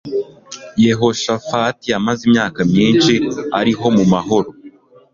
Yehoshafati yamaze imyaka myinshi ariho mu mahoro